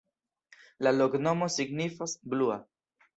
La loknomo signifas: blua.